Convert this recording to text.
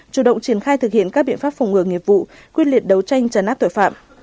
chủ động triển khai thực hiện các biện pháp